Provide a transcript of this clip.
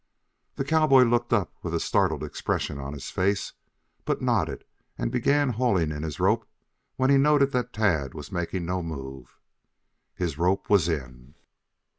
The cowboy looked up with a startled expression on his face, but nodded and began hauling in his rope when he noted that Tad was making no move. His rope was in.